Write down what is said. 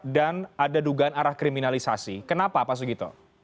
dan ada dugaan arah kriminalisasi kenapa pak sugito